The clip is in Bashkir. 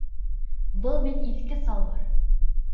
Был бит иҫке салбар!